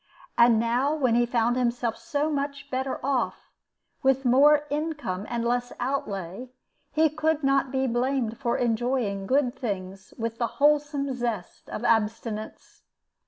And now, when he found himself so much better off, with more income and less outlay, he could not be blamed for enjoying good things with the wholesome zest of abstinence.